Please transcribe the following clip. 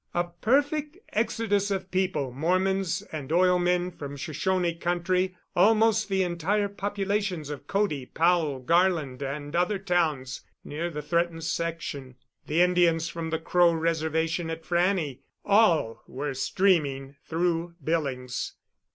A perfect exodus of people Mormons and oil men from Shoshone country, almost the entire populations of Cody, Powell, Garland, and other towns near the threatened section, the Indians from the Crow Reservation at Frannie all were streaming through Billings.